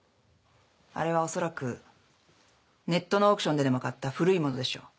あれはおそらくネットのオークションででも買った古いものでしょ。